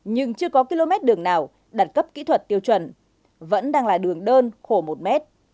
nhưng chưa có km đường nào đặt cấp kỹ thuật tiêu chuẩn vẫn đang là đường đơn khổ một mét